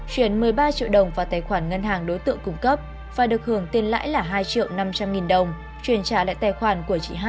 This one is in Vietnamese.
chuyển một mươi ba triệu đồng vào tài khoản ngân hàng đối tượng cung cấp và được hưởng tiền lãi là hai triệu năm trăm linh nghìn đồng chuyển trả lại tài khoản của chị h